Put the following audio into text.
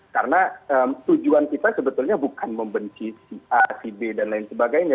karena tujuan kita sebetulnya bukan membenci si a si b dan lain sebagainya